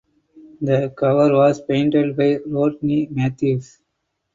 The cover was painted by Rodney Matthews.